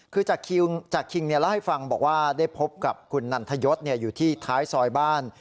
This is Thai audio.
คือจากคิงเล่าให้ฟังบอกว่าได้พบกับคุณนันทยศอยู่ที่ท้ายซอยบ้าน